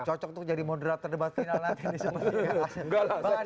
pak kocok tuh jadi moderator debat final nanti